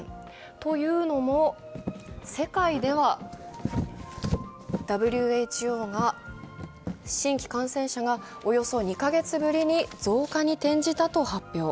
というのも世界ではＷＨＯが新規感染者がおよそ２カ月ぶりに増加に転じたと発表。